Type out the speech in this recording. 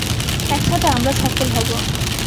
একসাথে আমরা সফল হব।